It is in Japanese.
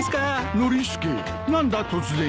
ノリスケ何だ突然に。